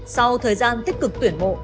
sau thời gian tích cực tuyển mộ